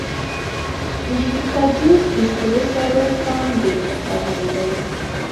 د ویکادور د سرو زرو کان ډیر پخوانی دی.